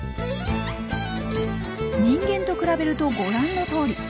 人間と比べるとご覧のとおり。